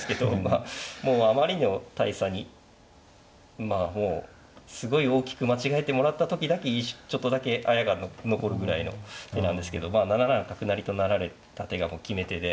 あもうあまりの大差にまあもうすごい大きく間違えてもらった時だけちょっとだけあやが残るぐらいの手なんですけど７七角成と成られた手が決め手で